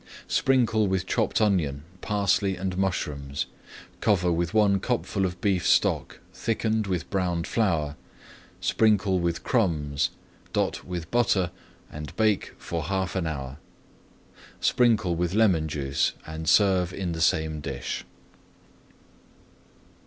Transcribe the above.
Sprinkle with chopped onion, parsley, and mushrooms, cover with one cupful of beef stock thickened with browned flour, sprinkle with crumbs, dot with butter and bake for half an hour. Sprinkle with lemon juice and serve in the same dish.